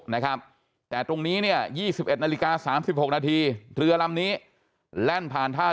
นะครับแต่ตรงนี้เนี่ย๒๑นาฬิกา๓๖นาทีเรือลำนี้แล่นผ่านท่า